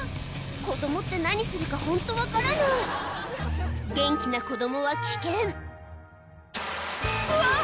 子供って何するかホント分からない元気な子供は危険うわ！